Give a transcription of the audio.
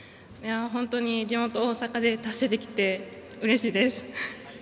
地元・大阪で達成できて本当にうれしいです。